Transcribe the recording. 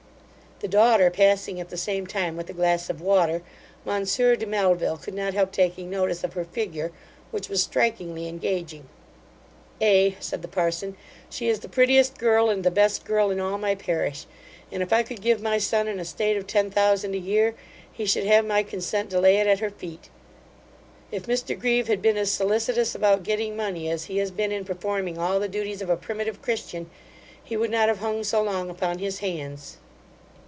The daughter passing at the same time with a glass of water, monsieur de Melville could not help taking notice of her figure, which was strikingly engaging. 'Ay (said the parson), she is the prettiest girl, and the best girl in all my parish: and if I could give my son an estate of ten thousand a year, he should have my consent to lay it at her feet. If Mr Grieve had been as solicitious about getting money, as he has been in performing all the duties of a primitive Christian, he would not have hung so long upon his hands.